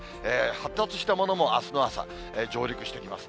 発達したものも、あすの朝、上陸してきます。